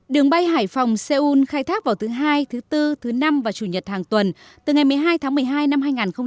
đường bay hải phòng seoul khai thác vào thứ hai thứ bốn thứ năm và chủ nhật hàng tuần từ ngày một mươi hai tháng một mươi hai năm hai nghìn hai mươi